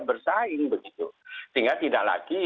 bersaing begitu sehingga tidak lagi